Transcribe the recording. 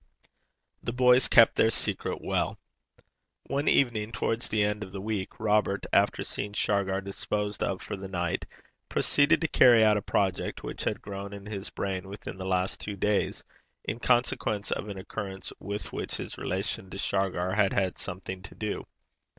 The boys kept their secret well. One evening, towards the end of the week, Robert, after seeing Shargar disposed of for the night, proceeded to carry out a project which had grown in his brain within the last two days in consequence of an occurrence with which his relation to Shargar had had something to do.